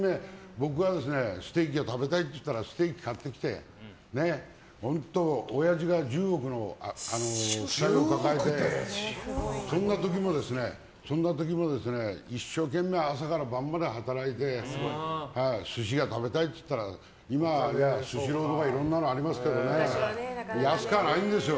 僕がステーキが食べたいって言ったらステーキ買ってきて本当、おやじが１０億の借金抱えてそんな時も一生懸命朝から晩まで働いて寿司が食べたいと言ったら今はスシローとかいろんなのありますけどね安くはないんですよ